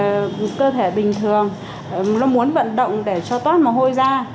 bao cái đầu tôi uống thì tôi thấy là cơ thể bình thường nó muốn vận động để cho toát mồ hôi ra